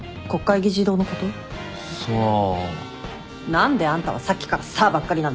何であんたはさっきから「さあ」ばっかりなのよ。